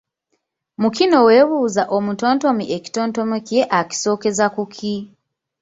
Mu kino weebuuza omutontomi ekitontome kye akisookeza ku ki?